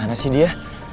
mana sih dia